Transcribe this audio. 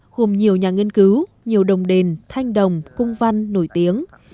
gồm nhiều nhà nghiên cứu nhiều đồng đền thanh đồng cung văn nổi tiếng